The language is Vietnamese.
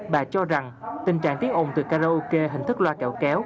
bà cho rằng tình trạng tiếng ồn từ karaoke hình thức loa kẹo kéo